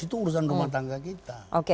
itu urusan rumah tangga kita